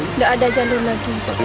tidak ada jalur lagi